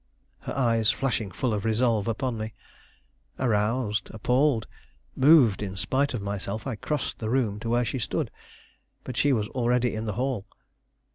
her eyes flashing full of resolve upon me. Aroused, appalled, moved in spite of myself, I crossed the room to where she stood; but she was already in the hall.